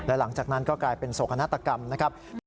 หลังจากนั้นก็กลายเป็นโศกนาฏกรรมนะครับ